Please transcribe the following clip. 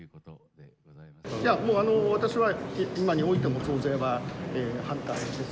いやもう、私は今においても増税は反対です。